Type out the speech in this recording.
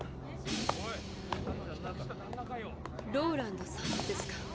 ローランドさんですか。